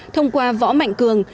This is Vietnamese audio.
thông qua võ mạnh cường